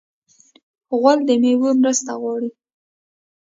غول د میوو مرسته غواړي.